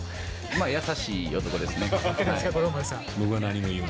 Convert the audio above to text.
優しい男ですね。